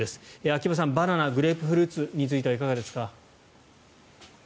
秋葉さん、バナナグレープフルーツについてはいかがですか？